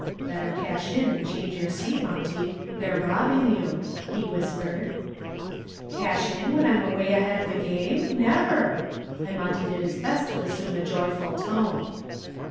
"Better cash in and change your seat, Monty. They're robbing you," he whispered. "Cash in when I'm away ahead of the game? Never!" and Monty did his best to assume a joyful tone.